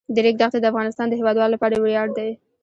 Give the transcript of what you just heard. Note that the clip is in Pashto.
د ریګ دښتې د افغانستان د هیوادوالو لپاره ویاړ دی.